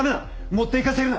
持って行かせるな！